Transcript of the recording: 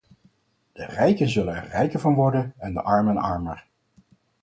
De rijken zullen er rijker van worden en de armen armer.